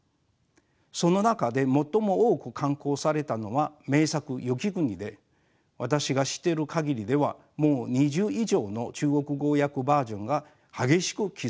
その中で最も多く刊行されたのは名作「雪国」で私が知っている限りではもう２０以上の中国語訳バージョンが激しく競い合っています。